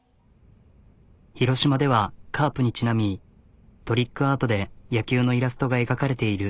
広島ではカープにちなみトリックアートで野球のイラストが描かれている。